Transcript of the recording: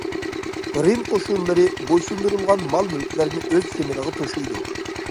رىم قوشۇنلىرى بويسۇندۇرۇلغان مال- مۈلۈكلەرنى ئۆز زېمىنىغا توشۇيدۇ.